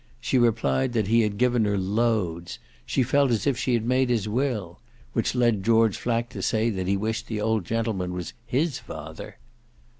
She replied that he had given her loads she felt as if he had made his will; which led George Flack to say that he wished the old gentleman was HIS father.